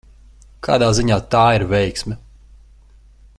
Kādā ziņā tā ir veiksme?